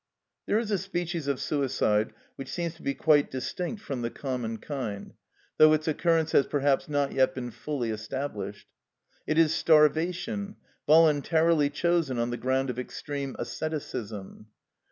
There is a species of suicide which seems to be quite distinct from the common kind, though its occurrence has perhaps not yet been fully established. It is starvation, voluntarily chosen on the ground of extreme asceticism.